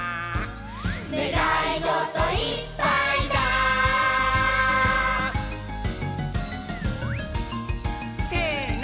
「ねがいごといっぱいだ」せの！